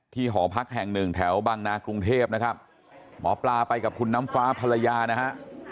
หอพักแห่งหนึ่งแถวบางนากรุงเทพนะครับหมอปลาไปกับคุณน้ำฟ้าภรรยานะฮะ